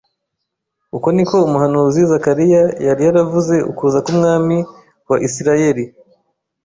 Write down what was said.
Uko niko umuhanuzi Zakariya yari yaravuze ukuza k'Umwami wa Isiraeli